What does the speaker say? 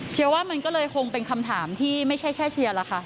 ว่ามันก็เลยคงเป็นคำถามที่ไม่ใช่แค่เชียร์ล่ะค่ะ